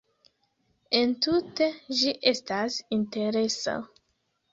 Entute ĝi estas interesa.